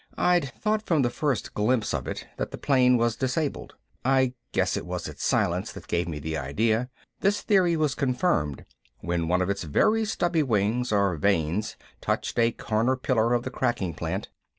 I'd thought from the first glimpse of it that the plane was disabled I guess it was its silence that gave me the idea. This theory was confirmed when one of its very stubby wings or vanes touched a corner pillar of the cracking plant.